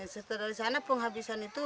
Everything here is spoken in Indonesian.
setelah disana penghabisan itu